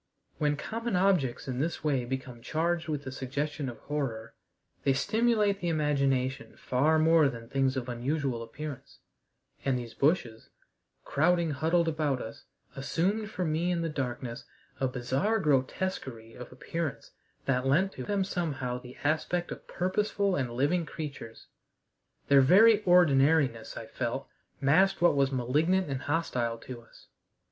When common objects in this way become charged with the suggestion of horror, they stimulate the imagination far more than things of unusual appearance; and these bushes, crowding huddled about us, assumed for me in the darkness a bizarre grotesquerie of appearance that lent to them somehow the aspect of purposeful and living creatures. Their very ordinariness, I felt, masked what was malignant and hostile to us.